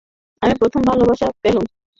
আমি প্রথম ভালোবাসা পেলুম, বাপজান, তোমার ঘরে।